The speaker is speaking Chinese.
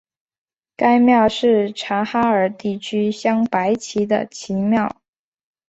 该庙是察哈尔地区镶白旗的旗庙。